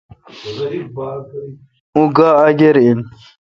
اں گا اگر این۔